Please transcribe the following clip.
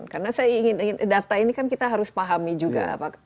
karena saya ingin data ini kan kita harus pahami juga